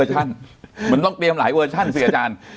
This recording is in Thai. เหมือนต้องเตรียมหลายเวอร์ชัน